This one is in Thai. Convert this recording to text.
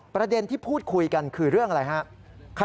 ประเด็นที่พูดคุยกันคือเรื่องอะไรครับ